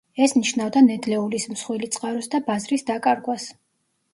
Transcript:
ეს ნიშნავდა ნედლეულის მსხვილი წყაროს და ბაზრის დაკარგვას.